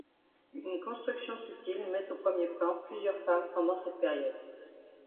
Une construction subtile met au premier plan plusieurs femmes pendant cette période.